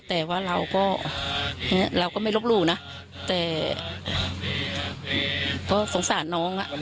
แต่ก็สงสัยน้องน้า